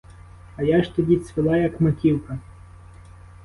А я ж тоді цвіла, як маківка!